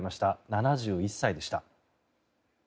７１歳でした。